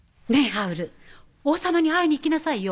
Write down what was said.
ハウル王様に会いに行きなさいよ。